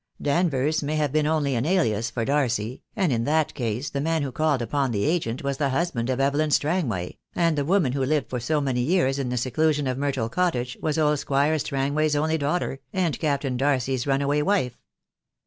Danvers may have been only an alias for Darcy, and in that case the man who called upon the agent was the husband of Evelyn Strangway, and the woman who lived for so many years in the se clusion of Myrtle Cottage was old Squire Strangway's only daughter, and Captain Darcy's runaway wife."